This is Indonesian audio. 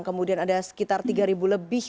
kemudian ada sekitar tiga lebih